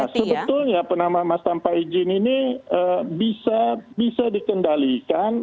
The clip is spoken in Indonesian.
sebetulnya penambangan emas tanpa izin ini bisa dikendalikan